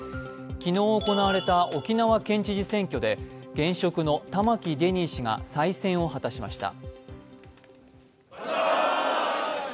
昨日行われた沖縄県知事選挙で現職の玉城デニー氏が再選を果たしました。